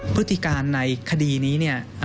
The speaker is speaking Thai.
พฤติการในคดีนี้